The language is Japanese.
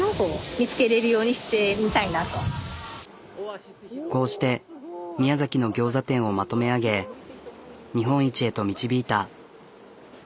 あぁこうして宮崎のギョーザ店をまとめ上げ日本一へと導いた。